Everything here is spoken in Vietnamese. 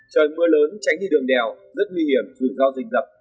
trời mưa lớn tránh đi đường đèo rất nguy hiểm dù do rình rập